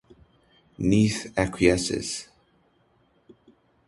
Neith acquiesces.